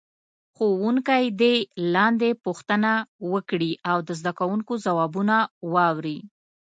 ښوونکی دې لاندې پوښتنه وکړي او د زده کوونکو ځوابونه واوري.